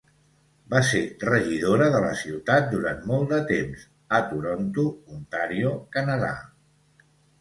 Va ser regidora de la ciutat durant molt de temps a Toronto, Ontario, Canadà.